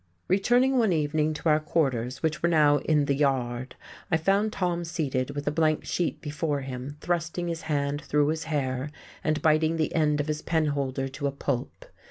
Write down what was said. Returning one evening to our quarters, which were now in the "Yard," I found Tom seated with a blank sheet before him, thrusting his hand through his hair and biting the end of his penholder to a pulp.